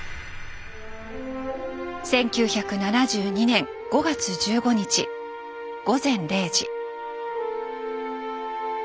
１９７２年５月１５日午前０時。